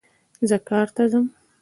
زه کار ته ځم